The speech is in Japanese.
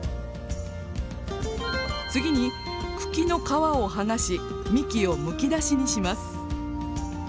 次に茎の皮を剥がし幹をむき出しにします。